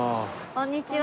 こんにちは。